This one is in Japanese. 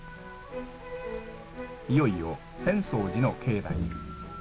いよいよ浅草寺の境内へ。